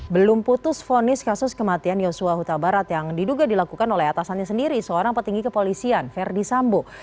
belum putus vonis kasus kematian yosua huta barat yang diduga dilakukan oleh atasannya sendiri seorang petinggi kepolisian verdi sambo